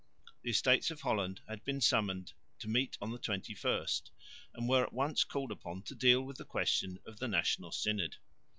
The Estates of Holland had been summoned to meet on the 21st, and were at once called upon to deal with the question of the National Synod.